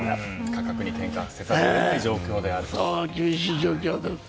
価格に転換せざるを得ない状況だと。